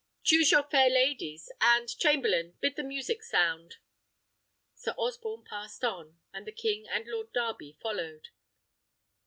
Choose your fair ladies; and, chamberlain, bid the music sound." Sir Osborne passed on, and the king and Lord Darby followed.